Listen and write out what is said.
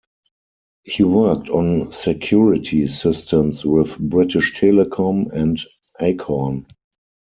He worked on security systems with British Telecom and Acorn.